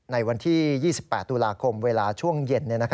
ในวันที่๒๘ตุลาคมเวลาช่วงเย็น